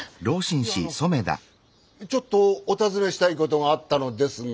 いやあのちょっとお尋ねしたいことがあったのですが。